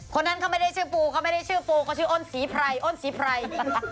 คนนั้นเขาไม่ได้ชื่อปูเขาไม่ได้ชื่อปูเขาชื่ออ้นศรีไพรอ้นศรีไพร